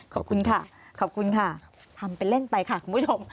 ขอบคุณค่ะทำเป็นเล่นไปค่ะคุณผู้ชม